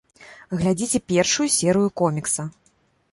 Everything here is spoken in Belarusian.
Глядзіце першую серыю комікса.